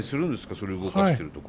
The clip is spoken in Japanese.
それ動かしてるとこ。